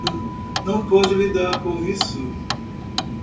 Não pode lidar com isso